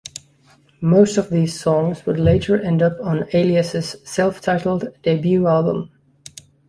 Most of these songs would later end up on Alias' self-titled debut album.